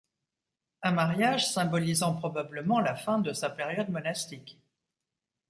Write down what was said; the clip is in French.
Un mariage symbolisant probablement la fin de sa période monastique.